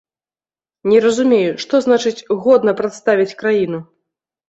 Не разумею, што значыць, годна прадставіць краіну?